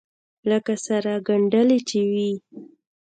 لکه سره گنډلې چې وي.